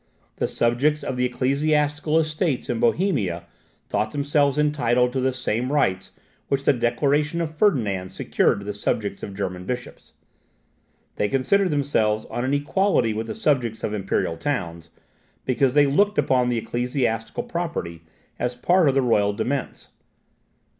The subjects of the ecclesiastical Estates in Bohemia thought themselves entitled to the same rights which the declaration of Ferdinand secured to the subjects of German bishops, they considered themselves on an equality with the subjects of imperial towns, because they looked upon the ecclesiastical property as part of the royal demesnes.